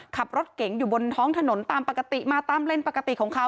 ขับรถเก๋งอยู่บนท้องถนนตามปกติมาตามเลนปกติของเขา